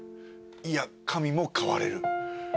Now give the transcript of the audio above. いや神も変われる！」。